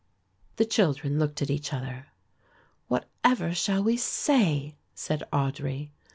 The children looked at each other. "Whatever shall we say?" said Audry.